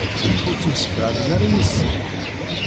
Ur ttemsefhamen ara yid-sen?